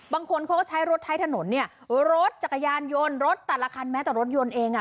บางคนเขาก็ใช้รถใช้ถนนเนี่ยรถจักรยานยนต์รถแต่ละคันแม้แต่รถยนต์เองอ่ะ